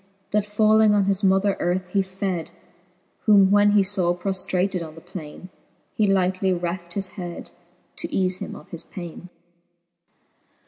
That falling on his mother earth, he fed: Whom when he faw proftratad on the plaine, He lightly reft his head, to eafe him o£ his paine.